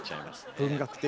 文学的。